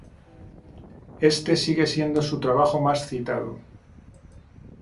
Éste sigue siendo su trabajo más citado.